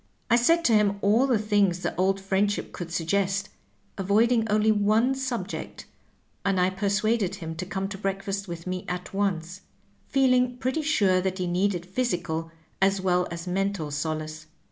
I said to him all the things that old friendship could suggest, avoiding only one subject, and I persuaded him to come to breakfast with me at once, feeling pretty sure that he needed physical as well as mental solace.